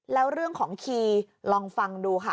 แล้วเรื่องของคีย์ลองฟังดูค่ะ